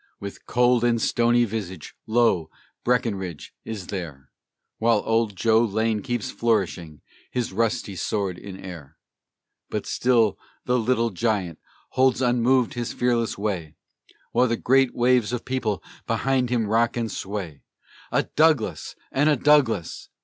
With cold and stony visage, lo! Breckinridge is there, While old Joe Lane keeps flourishing his rusty sword in air; But still the "Little Giant" holds unmoved his fearless way, While the great waves of the people behind him rock and sway "A Douglas and a Douglas!